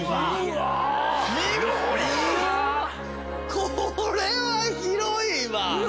これは広いわ！